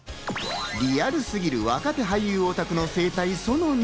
リアルすぎる若手俳優オタクの生態、その２。